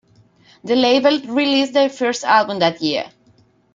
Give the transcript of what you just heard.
The label released their first album that year.